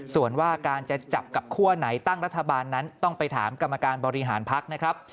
ส่วนว่าการจะจับกับคั่วไหนตั้งรัฐบาลนั้นต้องไปถามกรรมการบริหารพักนะครับ